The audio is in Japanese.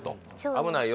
危ないよ。